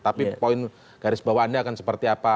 tapi poin garis bawah anda akan seperti apa